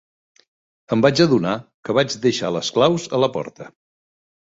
Em vaig adonar que vaig deixar les claus a la porta.